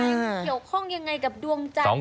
มันเกี่ยวข้องยังไงกับดวงจันทร์